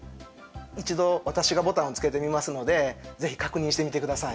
一度私がボタンを付けてみますので是非確認してみてください。